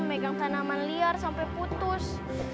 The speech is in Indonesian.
megang tanaman liar sampai putus